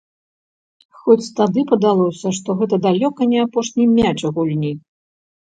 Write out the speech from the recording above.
Хоць тады падалося, што гэта далёка не апошні мяч у гульні.